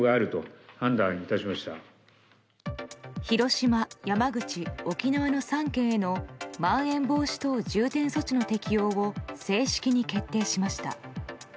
広島、山口、沖縄の３県へのまん延防止等重点措置の適用を正式に決定しました。